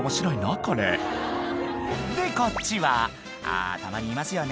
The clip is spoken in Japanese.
これでこっちはあぁたまにいますよね